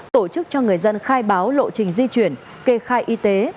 tổ chức cho người dân khai báo lộ trình di chuyển kê khai y tế